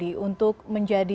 okay sekarang saya mau menjawab